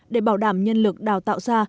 để bảo đảm nhân lực đào tạo ra